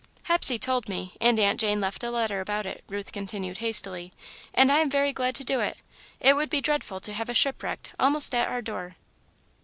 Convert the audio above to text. "Hepsey told me and Aunt Jane left a letter about it," Ruth continued, hastily, "and I am very glad to do it. It would be dreadful to have a ship wrecked, almost at our door."